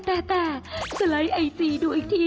แต่สไลด์ไอจีดูอีกที